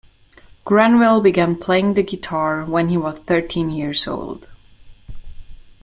Granville began playing the guitar when he was thirteen years old.